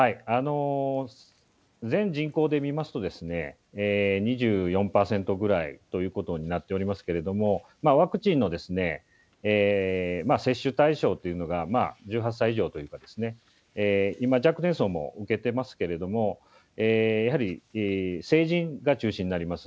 全人口で見ますと、２４％ぐらいということになっておりますけれども、ワクチンの接種対象っていうのが１８歳以上というか、今、若年層も受けていますけれども、やはり成人が中心になります。